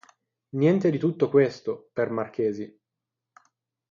Niente di tutto questo, per Marchesi.